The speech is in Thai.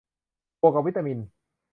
บวกกับวิตามิน